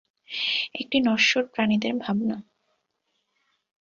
একটি নশ্বর প্রাণীদের ভাবনা।